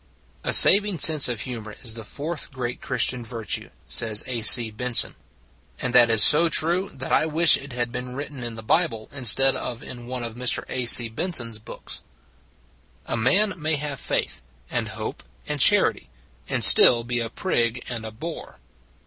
A saving sense of humor is the fourth great Christian virtue, says A. C. Benson. And that is so true that I wish it had been written in the Bible instead of in one of Mr. A. C. Benson s books. We Shall Win 201 A man may have faith and hope and chanty, and still be a prig and a bore.